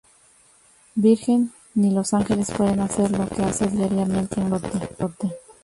Virgen ni los Ángeles pueden hacer lo que hace diariamente un sacerdote.